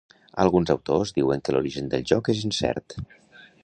Alguns autors diuen que l'origen del joc és incert.